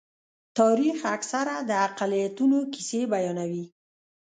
تاریخ اکثره د اقلیتونو کیسې بیانوي.